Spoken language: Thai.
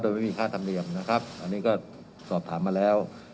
โดยไม่มีค่าธรรมเนียมนะครับอันนี้ก็สอบถามมาแล้ว